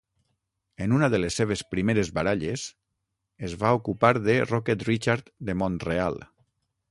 En una de les seves primeres baralles, es va ocupar de Rocket Richard de Mont-real.